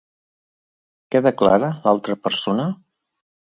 Què declara l'altra persona?